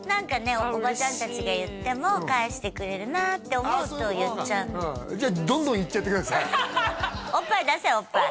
おばちゃんたちが言っても返してくれるなって思うと言っちゃうのじゃあおっぱい出せおっぱい